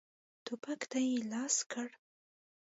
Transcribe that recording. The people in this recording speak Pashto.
ټوپک ته یې لاس کړ.